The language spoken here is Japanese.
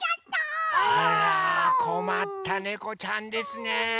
あらこまったねこちゃんですねえ。